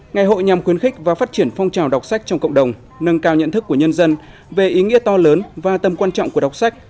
ngày hội nhằm khuyến khích và phát triển phong trào đọc sách trong cộng đồng nâng cao nhận thức của nhân dân về ý nghĩa to lớn và tầm quan trọng của đọc sách